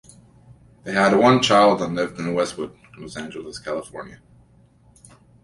They had one child and lived in Westwood, Los Angeles, California.